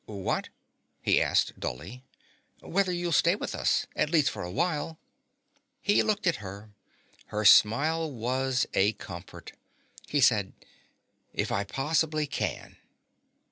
"What?" he asked dully. "Whether you'll stay with us. At least for a while." He looked at her. Her smile was a comfort. He said, "If I possibly can."